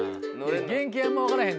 原形あんま分からへん。